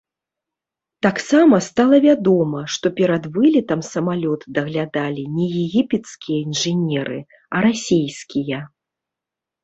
Таксама стала вядома, што перад вылетам самалёт даглядалі не егіпецкія інжынеры, а расейскія.